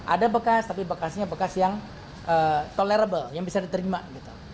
ada bekas tapi bekasnya bekas yang tolerrable yang bisa diterima gitu